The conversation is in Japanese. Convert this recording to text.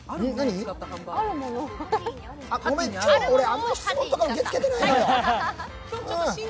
ごめん、今日あんまり質問とか受け付けてないのよ。